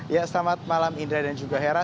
ya selamat malam indra dan juga hera